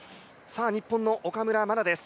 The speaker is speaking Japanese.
日本の岡村真です。